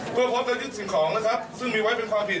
เพื่อพบได้ยึดสินของซึ่งมีว่าเป็นความผิด